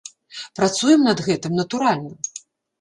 Працуем над гэтым, натуральна!